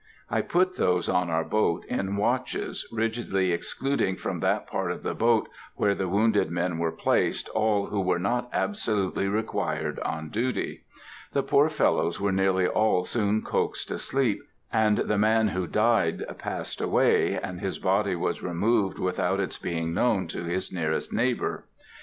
I put those on our boat in watches, rigidly excluding from that part of the boat where the wounded men were placed all who were not absolutely required on duty. The poor fellows were nearly all soon coaxed asleep, and the man who died passed away, and his body was removed without its being known to his nearest neighbor.